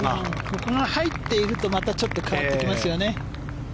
ここが入っているとまたちょっと変わってきますよね。